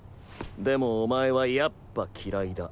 でもお前はやっぱ嫌いだ。